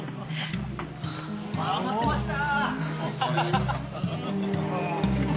待ってました！